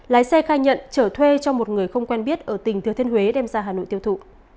lái xe khai nhận trở thuê cho một người không quen biết ở tỉnh thừa thiên huế đem ra hà nội tiêu thụ